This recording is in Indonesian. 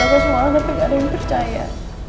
pas aku kasih tau ke semua tapi gak ada yang percaya